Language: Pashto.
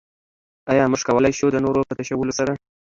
ايا موږ کولای شو د نورو په تشولو سره.